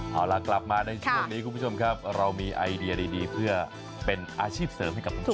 เอาล่ะกลับมาในช่วงนี้คุณผู้ชมครับเรามีไอเดียดีเพื่อเป็นอาชีพเสริมให้กับคุณผู้ชม